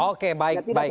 oke baik baik